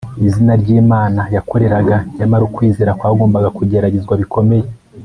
izina ry'imana yakoreraga; nyamara ukwizera kwagombaga kugeragezwa bikomeye